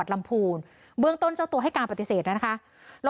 วันตอน๓ทุ่มเดี๋ยวโทรไปเป็นไง